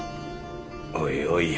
おいおいや。